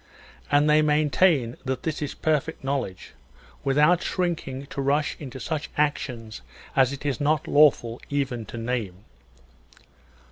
And they maintain that this is " perfect knowledge," without shrinking to rush into such actions as it is not lawful even to name.